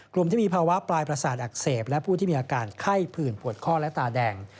กลุ่มที่มีภาวะปลายประสาทอักเสบและผู้ที่มีอาการไข้ผื่นปวดข้อและตาแดง